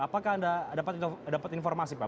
apakah anda dapat informasi pak